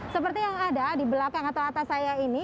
seperti yang ada di belakang atau atas saya ini